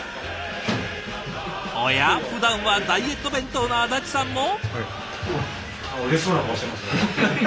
おや？ふだんはダイエット弁当の安達さんも。